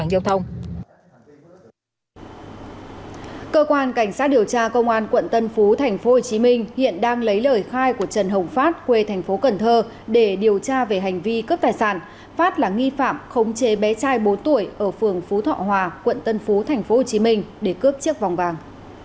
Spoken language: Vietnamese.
cơ quan cảnh sát điều tra công an tp hcm hiện đang lấy lời khai của trần hồng phát quê tp cn để điều tra về hành vi cướp tài sản phát là nghi phạm khống chế bé trai bốn tuổi ở phường phú thọ hòa quận tân phú tp hcm để cướp chiếc vòng vàng